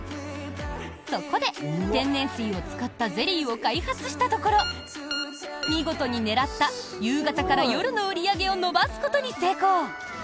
そこで、天然水を使ったゼリーを開発したところ見事に、狙った夕方から夜の売り上げを伸ばすことに成功。